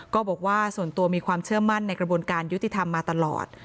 ก็บอกว่าส่วนตัวมีความเชื่อมั่นในกระบวนการยุติธรรมมาตลอด